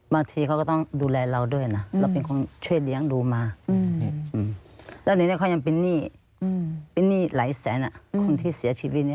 บางทีเขาก็ต้องดูแลเราด้วยนะเราเป็นคนช่วยเลี้ยงดูมาแล้วในนั้นเขายังเป็นหนี้เป็นหนี้หลายแสนคนที่เสียชีวิต